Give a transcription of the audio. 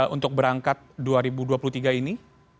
untuk berangkat dua ribu dua puluh tiga ini